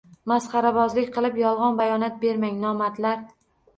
Masxarabozlik qilib yolgʻon bayonot bermang, nomardlar...!?